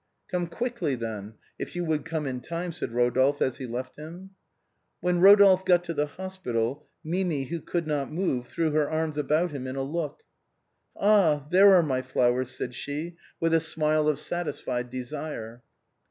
" Come quickly, then, if you would come in time," said Eodolphe as he left him. When Eodolphe got to the hospital, Mimi, who could not move, threw her arms about him in a look. " Ah ! there are my flowers," said she, with a smile of satisfied desire.